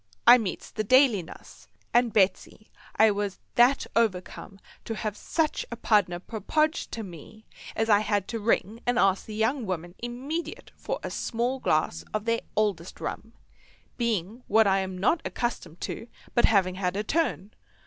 —I meets the daily nuss; and, Betsy, I was that overcome to have such a pardner propoged to me as I had to ring and ask the young woman immediate for a small glass of their oldest rum, being what I am not accustomed to but having had a turn.